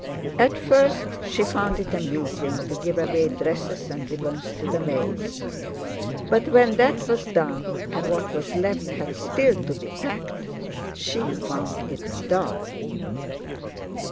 At first she found it amusing to give away dresses and ribbons to the maids, but when that was done and what was left had still to be packed, she found it dull.